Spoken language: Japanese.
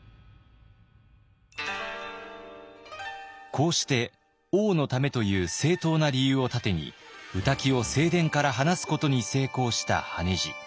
こうして王のためという正当な理由を盾に御嶽を正殿から離すことに成功した羽地。